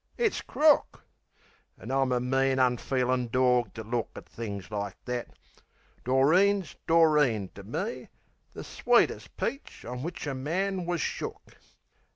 It's crook! An' I'm a mean, unfeelin' dawg to look At things like that. Doreen's Doreen to me, The sweetest peach on w'ich a man wus shook.